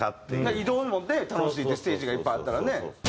移動もね楽しいってステージがいっぱいあったらね。